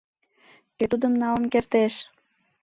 Кӧ тудым налын кертеш?